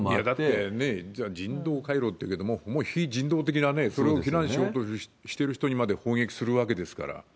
だって人道回廊っていうけども、もう非人道的なね、それを非難しようとしてる人にまで砲撃するわけですから。